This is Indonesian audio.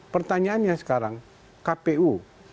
pertanyaannya sekarang kpu